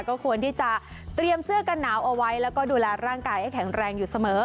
ก็ควรที่จะเตรียมเสื้อกันหนาวเอาไว้แล้วก็ดูแลร่างกายให้แข็งแรงอยู่เสมอ